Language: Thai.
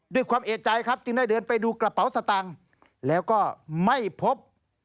ด้วยความเอกใจครับจึงได้เดินไปดูกระเป๋าสตางค์แล้วก็ไม่พบ